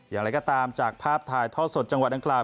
อย่างไรก็ตามจากภาพถ่ายทอดสดจังหวัดดังกล่า